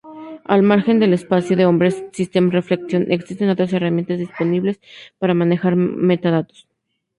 Al margen del espacio de nombres "System.Reflection", existen otras herramientas disponibles para manejar metadatos.